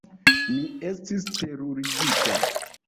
Mi estis terurigita.